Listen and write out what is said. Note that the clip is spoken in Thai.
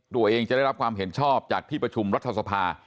ตัวเองจะได้รับความเห็นชอบจากที่ประชุมรัฐสภา